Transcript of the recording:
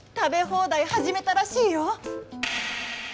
放題始めたらしいよ。